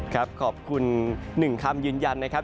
ครับขอบคุณหนึ่งคำยืนยันนะครับ